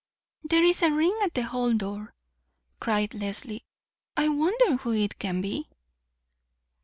"There is a ring at the hall door," cried Leslie. "I wonder who it can be?"